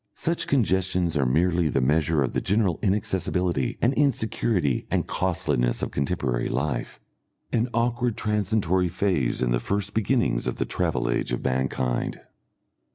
Such congestions are merely the measure of the general inaccessibility and insecurity and costliness of contemporary life, an awkward transitory phase in the first beginnings of the travel age of mankind.